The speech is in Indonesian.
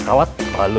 gimana gue keluar